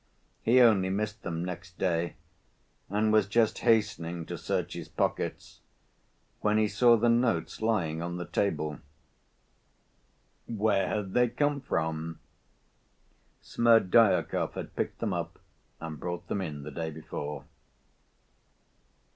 He only missed them next day, and was just hastening to search his pockets when he saw the notes lying on the table. Where had they come from? Smerdyakov had picked them up and brought them in the day before.